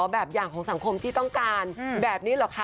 แบบอย่างของสังคมที่ต้องการแบบนี้เหรอคะ